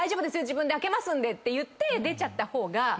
自分で開けますんでって言って出ちゃった方が。